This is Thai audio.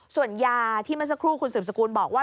ส่วนยาที่เมื่อสักครู่คุณสืบสกุลบอกว่า